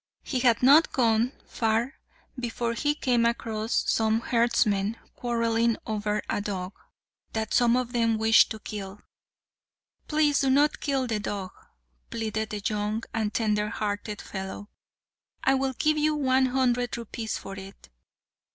He had not gone far before he came across some herdsmen quarrelling over a dog, that some of them wished to kill. "Please do not kill the dog," pleaded the young and tender hearted fellow; "I will give you one hundred rupees for it."